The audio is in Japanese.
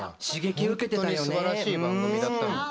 本当にすばらしい番組だった。